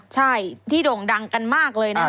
ใช่ที่โด่งดังกันมากเลยนะคะ